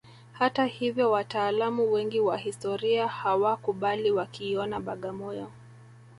Hata hivyo wataalamu wengi wa historia hawakubali wakiiona Bagamoyo